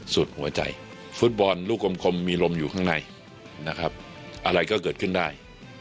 สุดหัวใจฟุตบอลลูกกลมมีลมอยู่ข้างในนะครับอะไรก็เกิดขึ้นได้